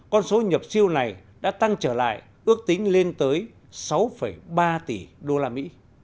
con số nhập siêu này đã tăng trở lại ước tính lên tới sáu ba tỷ usd